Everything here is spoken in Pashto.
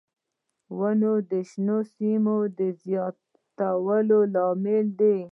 • ونه د شنو سیمو د زیاتوالي لامل دی.